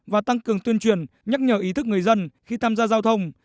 và tăng cường tuyên truyền nhắc nhở ý thức người dân khi tham gia giao thông